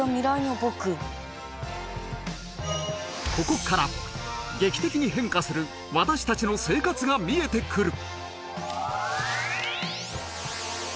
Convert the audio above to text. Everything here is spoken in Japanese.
ここから劇的に変化する私たちの生活が見えてくる！